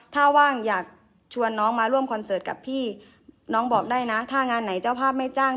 ถ้าว่างอยากชวนน้องมาร่วมคอนเสิร์ตกับพี่น้องบอกได้นะถ้างานไหนเจ้าภาพไม่จ้าง